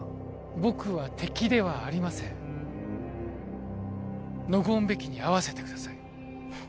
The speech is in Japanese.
僕は敵ではありませんノゴーン・ベキに会わせてください